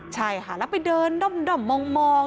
ใช่ค่ะแล้วไปเดินด้อมมอง